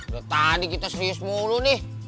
udah tadi kita serius mulu nih